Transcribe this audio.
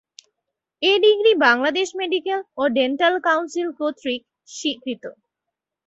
এ degree Bangladesh medical ও dental council কর্তৃক স্বীকৃত।